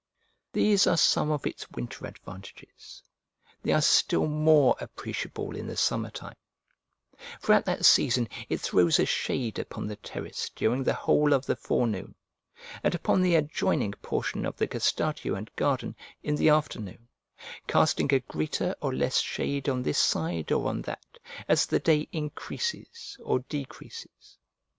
These are some of its winter advantages, they are still more appreciable in the summer time; for at that season it throws a shade upon the terrace during the whole of the forenoon, and upon the adjoining portion of the gestatio and garden in the afternoon, casting a greater or less shade on this side or on that as the day increases or decreases.